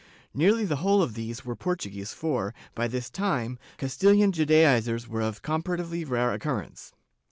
^ Nearly the whole of these were Portuguese for, by this time, CastiUan Judaizers were of comparatively rare occurrence.